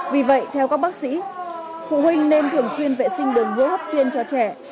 vì vậy theo các bác sĩ phụ huynh nên thường xuyên vệ sinh đường hô hấp trên cho trẻ